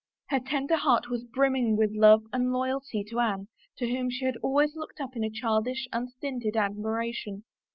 Her tender heart was brimming with love and loyalty to Anne, to whom she had always looked up in childish, unstinted admiration.